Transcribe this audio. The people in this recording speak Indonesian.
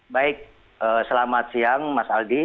baik selamat siang mas aldi